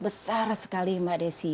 besar sekali mbak desy